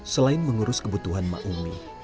selain mengurus kebutuhan mak umi